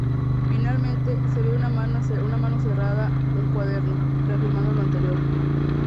Finalmente, se ve una mano cerrando un cuaderno, reafirmando lo anterior.